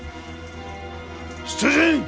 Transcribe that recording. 出陣。